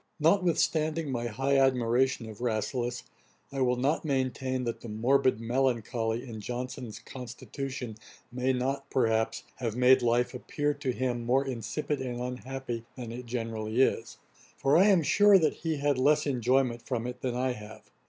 Notwithstanding my high admiration of Rasselas, I will not maintain that the 'morbid melancholy' in Johnson's constitution may not, perhaps, have made life appear to him more insipid and unhappy than it generally is; for I am sure that he had less enjoyment from it than I have.